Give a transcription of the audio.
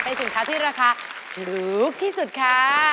เป็นสินค้าที่ราคาถูกที่สุดค่ะ